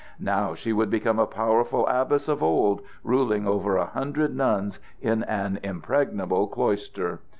Now she would become a powerful abbess of old, ruling over a hundred nuns in an impregnable cloister.